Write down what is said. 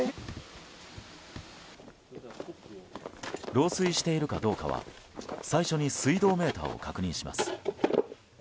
漏水しているかどうかは最初に水道メーターを確認します。